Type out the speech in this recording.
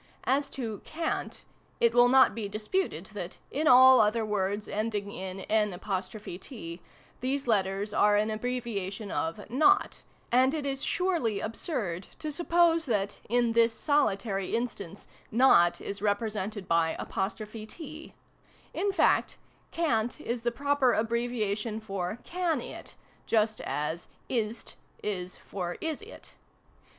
As to "ca'n't," it will not be disputed that, in all other words ending in " n't," these letters are an abbreviation of " not "; and it is surely absurd to suppose that, in this solitary instance, " not " is represented by " 't "! In fact " can't " is \heproper abbreviation for "can it," just as "is't" is for " is it."